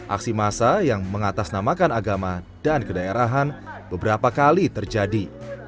aksi massa yang mengatasnamakan agama dan kedaerahan beberapa kali terjadi